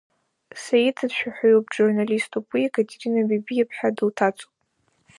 Саида дшәаҳәаҩуп, джурналиступ, уи Екатерина Бебиаԥҳа дылҭацоуп.